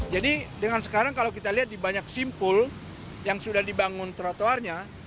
jadi dengan sekarang kalau kita lihat di banyak simpul yang sudah dibangun trotoarnya